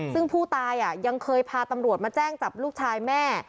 ซึ่งผู้ตายยังเคยพาตำรวจมาแจ้งจับลูกชายแม่